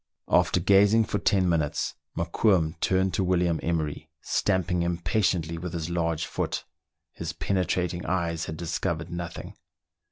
After gazing for ten minutes, Mokoum turned to William Emery, stamping impatiently with his large foot ; his pene trating eyes had discovered nothing.